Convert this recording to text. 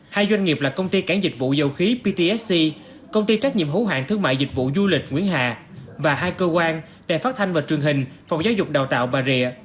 hai doanh nghiệp là công ty cản dịch vụ dầu khí ptsc công ty trách nhiệm hữu hạng thương mại dịch vụ du lịch nguyễn hà và hai cơ quan để phát thanh và truyền hình phòng giáo dục đào tạo bà rịa